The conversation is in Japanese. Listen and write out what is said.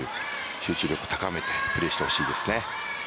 集中力高めてプレーしてほしいですね。